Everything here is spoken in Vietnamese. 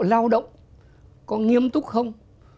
lao động có nghiêm túc không